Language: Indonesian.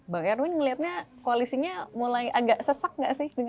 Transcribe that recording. bang erwin ngelihatnya koalisinya mulai agak sesak nggak sih